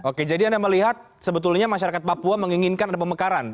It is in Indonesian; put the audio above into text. oke jadi anda melihat sebetulnya masyarakat papua menginginkan ada pemekaran